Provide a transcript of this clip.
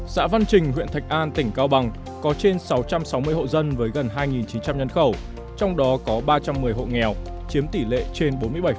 xã văn trình huyện thạch an tỉnh cao bằng có trên sáu trăm sáu mươi hộ dân với gần hai chín trăm linh nhân khẩu trong đó có ba trăm một mươi hộ nghèo chiếm tỷ lệ trên bốn mươi bảy